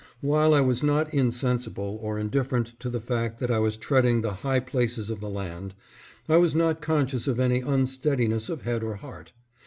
While I was not insensible or indifferent to the fact that I was treading the high places of the land, I was not conscious of any unsteadiness of head or heart.